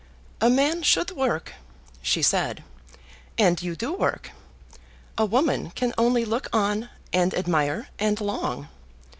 "A man should work," she said, "and you do work. A woman can only look on, and admire and long.